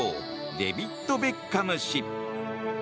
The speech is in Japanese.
デビッド・ベッカム氏。